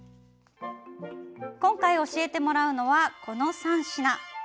今回教えてもらうのはこの３品。